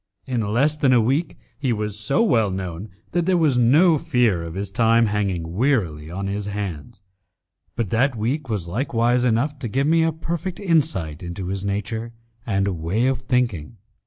In less than a week he was so well known that there was no fear of his time hanging wearily on his hands, but that week was likewise enough to give me a perfect insight into his nature and way of thinking.